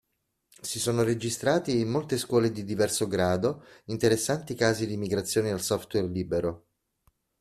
Si sono registrati in molte scuole di diverso grado interessanti casi di migrazione al software libero.